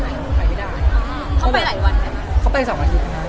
เขาไปไหนวันไหมเขาไปสองอาทิตย์